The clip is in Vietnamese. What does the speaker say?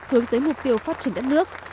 hướng tới mục tiêu phát triển đất nước